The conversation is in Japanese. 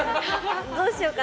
どうしようかな。